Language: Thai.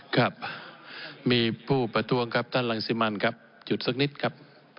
ครับมีผู้ประท้วงครับท่านรังสิมันครับหยุดสักนิดครับ